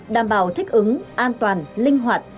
đảm bảo thích ứng an toàn linh hoạt